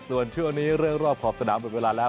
ส่วนช่วงนี้เรื่องรอบขอบสนามหมดเวลาแล้ว